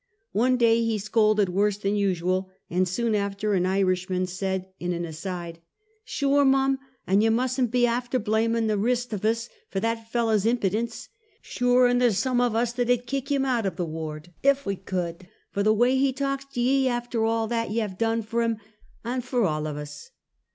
One ds,y he scolded worse than usual, and soon after an Irishman said, in an aside: " Schure mum, an' ye mustn't bo afther blaniin' de rist av us fur that fellow's impidence, Schure, an' there's some av us that 'ud kick him out av the ward, if we could, for the way he talks to ye afther all that you have done for 'im an' fur all av us."